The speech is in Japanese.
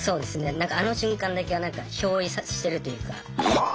何かあの瞬間だけは何か憑依してるというか。